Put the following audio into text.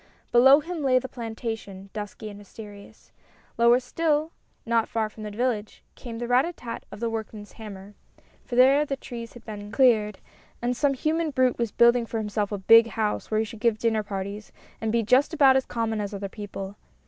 Below him lay the plantation, dusky and mysterious. Lower still, not far from the village, came the rat tat tat of the workman's hammer ; for there the trees had been 250 STORIES IN GREY cleared, and some human brute was building for himself a big house, where he should give dinner parties and be just about as common as other people.